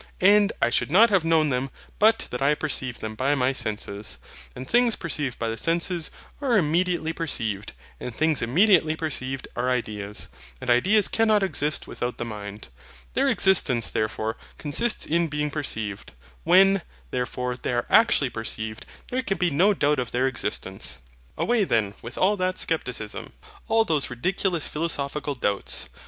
And I should not have known them but that I perceived them by my senses; and things perceived by the senses are immediately perceived; and things immediately perceived are ideas; and ideas cannot exist without the mind; their existence therefore consists in being perceived; when, therefore, they are actually perceived there can be no doubt of their existence. Away then with all that scepticism, all those ridiculous philosophical doubts.